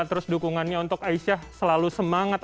terus dukungannya untuk aisyah selalu semangat